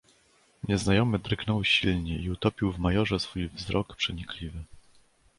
"Nieznajomy drgnął silnie i utopił w majorze swój wzrok przenikliwy."